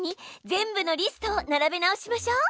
全部のリストを並べ直しましょう。